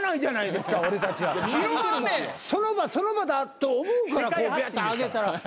その場その場だと思うからピャッと上げたら。